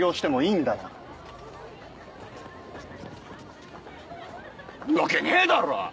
いいわけねえだろ！